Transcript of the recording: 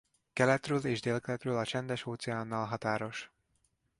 Keletről és délkeletről a Csendes-óceánnal határos.